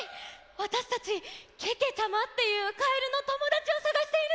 わたしたちけけちゃまっていうカエルのともだちをさがしているんです！